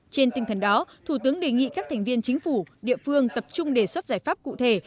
trên tinh thần đó thủ tướng đề nghị các thành viên chính phủ địa phương tập trung đề xuất giải pháp cụ thể